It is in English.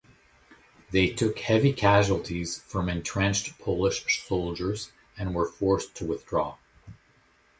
They took heavy casualties from entrenched Polish soldiers and were forced to withdraw.